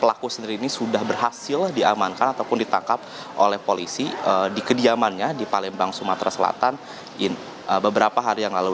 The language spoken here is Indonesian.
pelaku sendiri ini sudah berhasil diamankan ataupun ditangkap oleh polisi di kediamannya di palembang sumatera selatan beberapa hari yang lalu